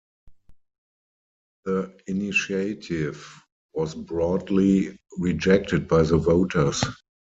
The initiative was broadly rejected by the voters.